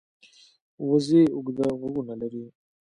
وزې اوږده غوږونه لري